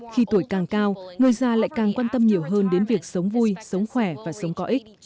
khi tuổi càng cao người già lại càng quan tâm nhiều hơn đến việc sống vui sống khỏe và sống có ích